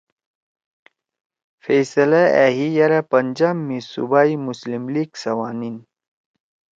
فیصلہ أ ہی یرأ پنجاب می صوبائی مسلم لیگ سوانیِن